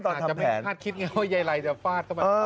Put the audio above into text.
อาจจะไม่คาดคิดไงว่ายายไรจะฟาดเข้ามา